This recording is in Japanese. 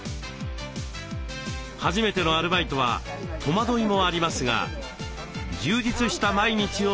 初めてのアルバイトは戸惑いもありますが充実した毎日を送っています。